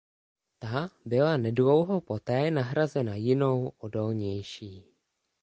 Ta byla nedlouho poté nahrazena jinou odolnější.